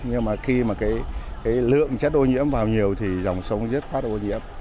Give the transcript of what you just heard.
nhưng mà khi mà cái lượng chất ô nhưỡm vào nhiều thì dòng sông giết phát ô nhưỡm